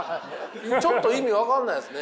ちょっと意味分かんないですね。